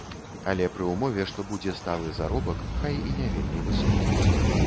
Але пры ўмове, што будзе сталы заробак, хай і не вельмі высокі.